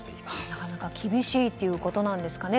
なかなか厳しいってことなんですかね。